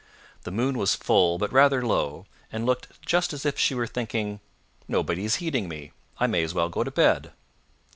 The moon was full, but rather low, and looked just as if she were thinking "Nobody is heeding me: I may as well go to bed."